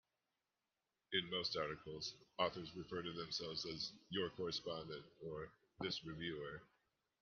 In most articles, authors refer to themselves as "your correspondent" or "this reviewer".